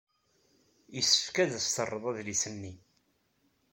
Yessefk ad as-terreḍ adlis-nni.